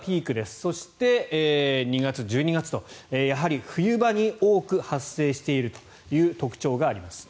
そして２月、１２月とやはり冬場に多く発生しているという特徴があります。